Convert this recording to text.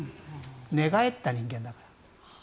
寝返った人間だから。